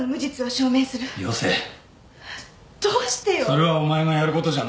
それはお前がやることじゃない。